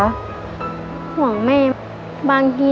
ห่วงแม่บางที